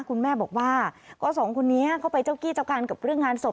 คุณแม่บอกว่าก็สองคนนี้เข้าไปเจ้ากี้เจ้าการกับเรื่องงานศพ